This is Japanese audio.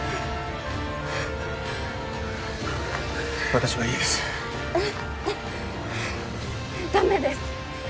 私はいいですダメです